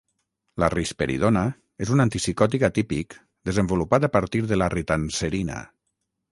La risperidona és un antipsicòtic atípic desenvolupat a partir de la ritanserina.